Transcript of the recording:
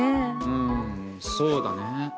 うんそうだね。